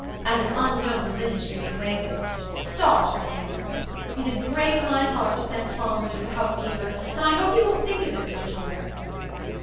An' it's unknown the linen she made away with—Stott her name was. It 'ud break my heart to send Tom where there's a housekeeper, an' I hope you won't think of it, Mr Tulliver."